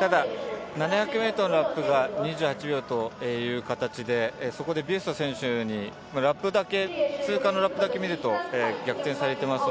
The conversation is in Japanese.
ただ７００ｍのラップが２８秒という形で、そこでビュスト選手に通過のラップだけ見ると、逆転されています。